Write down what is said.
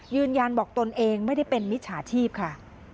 ยืนยันบอกตนเองไม่ได้เป็นมิจฉาชีพค่ะ